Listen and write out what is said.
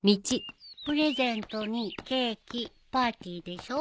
プレゼントにケーキパーティーでしょ。